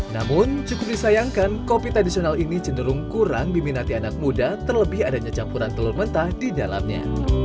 namun cukup disayangkan kopi tradisional ini cenderung kurang diminati anak muda terlebih adanya campuran telur mentah di dalamnya